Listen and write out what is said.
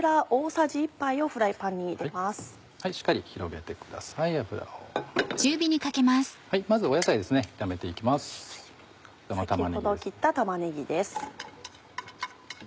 先ほど切った玉ねぎです。